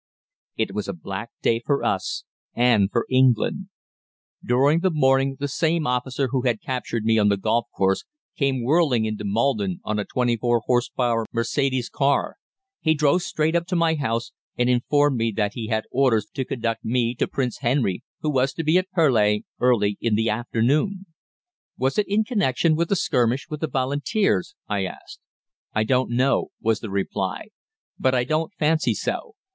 "It was a black day for us, and for England. During the morning the same officer who had captured me on the golf course came whirling into Maldon on a 24 h.p. Mercedes car. He drove straight up to my house, and informed me that he had orders to conduct me to Prince Henry, who was to be at Purleigh early in the afternoon. "'Was it in connection with the skirmish with the Volunteers?' I asked. "'I don't know,' was the reply. 'But I don't fancy so.